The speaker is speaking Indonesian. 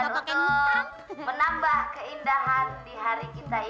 dan untuk menambah keindahan di hari kita ini